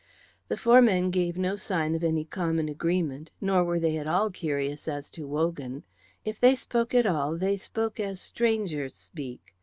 The four men gave no sign of any common agreement, nor were they at all curious as to Wogan. If they spoke at all, they spoke as strangers speak.